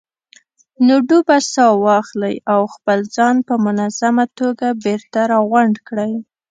نو ډوبه ساه واخلئ او خپل ځان په منظمه توګه بېرته راغونډ کړئ.